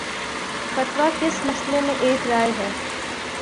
فتوی کس مسئلے میں ایک رائے ہے۔